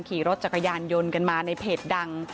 ขี่รถจักรยานยนต์กันมาในเพจดัง